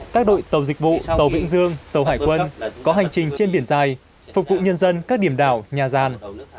các đội tàu dịch vụ tàu vĩnh dương tàu hải quân có hành trình trên biển dài phục vụ nhân dân các điểm đảo nhà gian